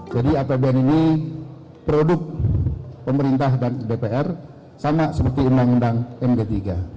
apbn ini produk pemerintah dan dpr sama seperti undang undang md tiga